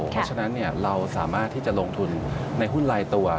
เพราะฉะนั้นเราสามารถที่จะลงทุนในหุ้นลายตัว